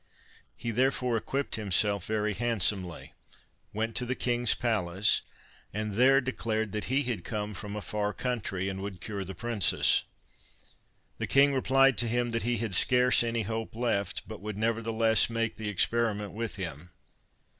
He therefore equipped himself very handsomely, went to the king's palace, and there declared that he had come from a far country, and would cure the princess. The king replied to him that he had scarce any hope left, but would nevertheless make the experiment with him.